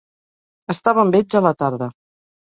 Estava amb ells a la tarda.